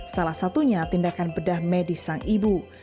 salah satunya tindakan bedah medis sang ibu